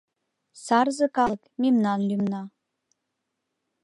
Сарзе калык — мемнан лӱмна